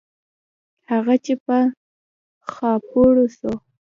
هغه چې په خاپوړو سو.